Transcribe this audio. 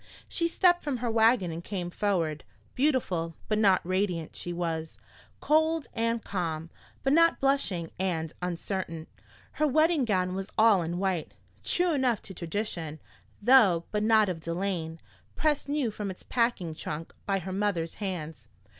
She stepped from her wagon and came forward. Beautiful, but not radiant, she was; cold and calm, but not blushing and uncertain. Her wedding gown was all in white, true enough to tradition, though but of delaine, pressed new from its packing trunk by her mother's hands.